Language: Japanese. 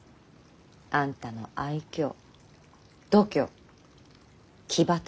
あんたの愛嬌度胸気働き。